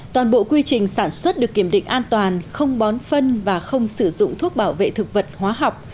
toàn bộ quy trình sản xuất được kiểm định an toàn không bón phân và không sử dụng thuốc bảo vệ thực vật hóa học